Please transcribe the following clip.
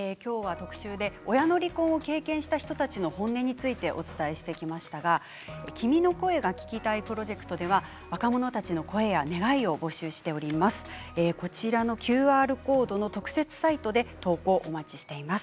特集で親の離婚を経験した人たちの本音についてお伝えしてきましたが「君の声が聴きたい」プロジェクトでは若者たちの声や願いを募集しております。